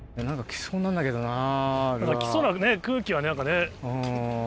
きそうなね、空気はね、なんかね。